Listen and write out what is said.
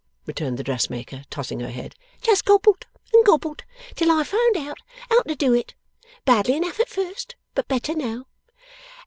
returned the dress maker, tossing her head. 'Just gobbled and gobbled, till I found out how to do it. Badly enough at first, but better now.